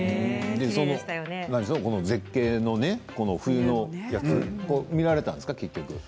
その絶景のね冬のやつは見られたんですか？